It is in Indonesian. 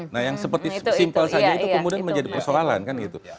nah yang seperti simpel saja itu kemudian menjadi persoalan kan gitu